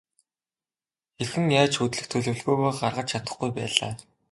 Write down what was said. Хэрхэн яаж хөдлөх төлөвлөгөөгөө гаргаж чадахгүй байлаа.